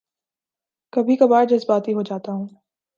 کبھی کبھار جذباتی ہو جاتا ہوں